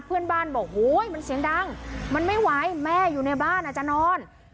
เพื่อนบ้านบอกโหยมันเสียงดังมันไม่ไหวแม่อยู่ในบ้านอาจจะนอน